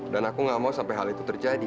dan aku nggak mau sampai hal itu terjadi